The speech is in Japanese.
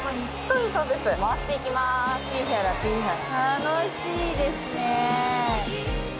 楽しいですね。